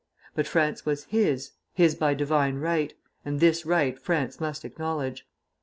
But France was his, his by divine right; and this right France must acknowledge.